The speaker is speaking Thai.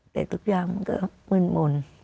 แต่ทุกอย่างมันก็มืดมนต์